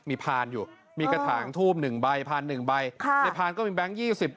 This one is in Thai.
มีพานอยู่มีกระถางทูบหนึ่งใบพานหนึ่งใบค่ะในพานก็มีแบงค์ยี่สิบ